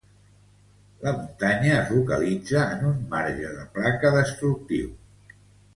La muntanya es localitza en un marge de placa destructiu.